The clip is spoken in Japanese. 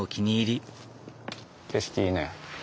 景色いいね。